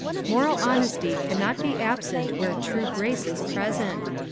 Moral honesty cannot be absent where true grace is present.